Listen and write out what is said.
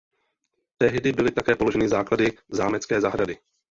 Tehdy byly také položeny základy zámecké zahrady.